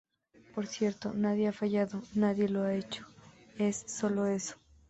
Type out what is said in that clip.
Por cierto, nadie ha fallado, nadie lo ha hecho, es solo eso.